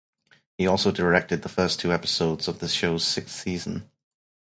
He also directed the first two episodes of the show's sixth season.